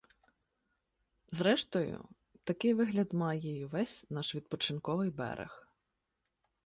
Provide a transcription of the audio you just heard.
Зрештою, такий вигляд має й увесь наш відпочинковий берег